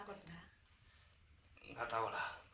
mungkin karena kamu tidak tahu